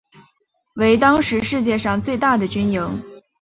为当时世界上最大的军营。